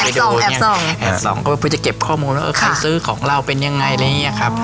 สองก็เพื่อจะเก็บข้อมูลว่าเออใครซื้อของเราเป็นยังไงอะไรอย่างนี้ครับ